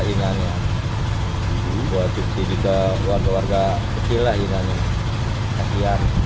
ini buat kita buat warga kecil lah ini